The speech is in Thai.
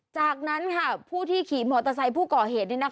จากนั้นผู้ที่ขี่มอเตอร์ไซค์ผู้ก่อเหตุ